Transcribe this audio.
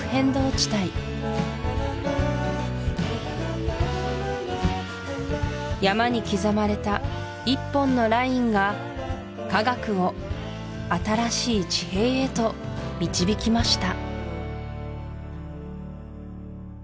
地帯山に刻まれた一本のラインが科学を新しい地平へと導きました